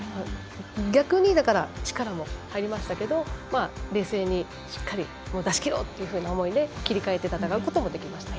逆に、力も入りましたけど冷静にしっかり出しきろうという思いで切り替えて戦うこともできましたね。